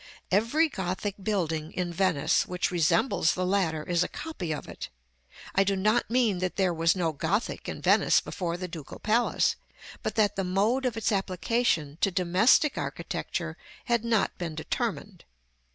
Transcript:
Every Gothic building in Venice which resembles the latter is a copy of it. I do not mean that there was no Gothic in Venice before the Ducal Palace, but that the mode of its application to domestic architecture had not been determined.